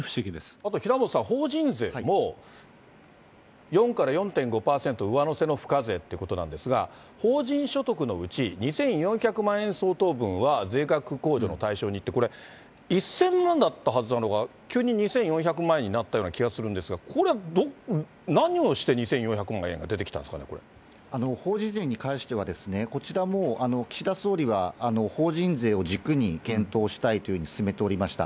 あと平本さん、法人税も、４から４．５％上乗せの付加税ということなんですが、法人所得のうち、２４００万円相当分は税額控除の対象にって、これ、１０００万だったはずなのが、急に２４００万になった気がするんですが、これは何をして２４００万円が出てきたんですかね、法人税に関しては、こちらも岸田総理は法人税を軸に検討したいというふうに進めておりました。